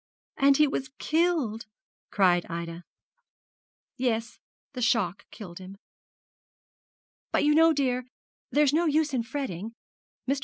'And he was killed!' cried Ida. 'Yes; the shock killed him. But you know, dear, there's no use in fretting. Mr.